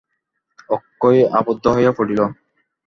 অক্ষয় আবদ্ধ হইয়া পড়িল।